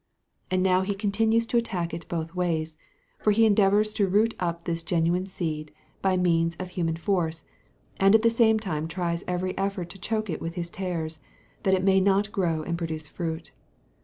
And now he continues to attack it both ways; for he endeavours to root up this genuine seed by means of human force, and at the same time tries every effort to choke it with his tares, that it may not grow and produce fruit.